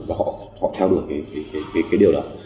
và họ theo đuổi cái điều đó